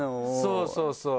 そうそうそう！